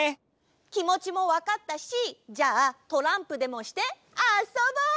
きもちもわかったしじゃあトランプでもしてあそぼう！